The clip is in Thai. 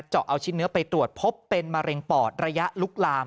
เจาะเอาชิ้นเนื้อไปตรวจพบเป็นมะเร็งปอดระยะลุกลาม